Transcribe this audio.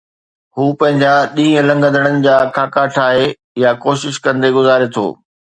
هو پنهنجا ڏينهن لنگهندڙن جا خاڪا ٺاهي، يا ڪوشش ڪندي گذاري ٿو